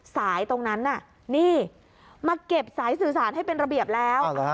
สายตรงนั้นน่ะนี่มาเก็บสายสื่อสารให้เป็นระเบียบแล้ว